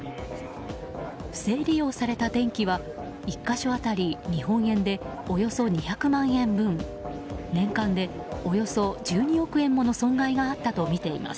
不正利用された電気は１か所当たり日本円でおよそ２００万円分年間でおよそ１２億円もの損害があったとみています。